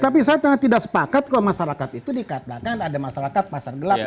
tapi saya tidak sepakat kalau masyarakat itu dikatakan ada masyarakat pasar gelap